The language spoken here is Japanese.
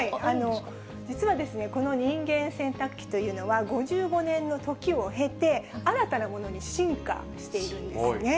実はこの人間洗濯機というのは、５５年の時を経て、新たなものに進化しているんですね。